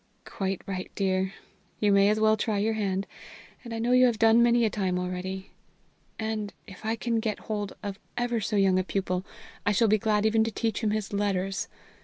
"Quite right, dear. You may well try your hand as I know you have done many a time already. And, if I can get hold of ever so young a pupil, I shall be glad even to teach him his letters.